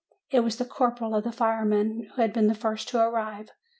It was the corporal of the firemen, who had been the first to arrive.